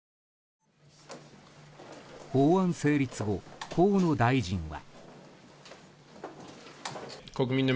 法案成立後、河野大臣は。